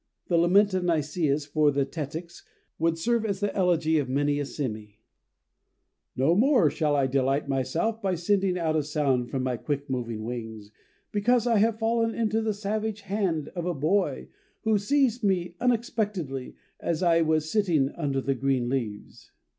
The lament of Nicias for the tettix would serve as the elegy of many a sémi: "_No more shall I delight myself by sending out a sound from my quick moving wings, because I have fallen into the savage hand of a boy, who seized me unexpectedly, as I was sitting under the green leaves.